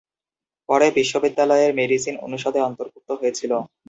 পরে বিশ্ববিদ্যালয়ের মেডিসিন অনুষদে অন্তর্ভুক্ত হয়েছিল।